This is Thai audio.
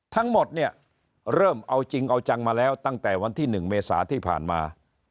ทั้งหมดเนี่ยเริ่มเอาจริงเอาจังมาแล้วตั้งแต่วันที่๑เมษาที่ผ่านมา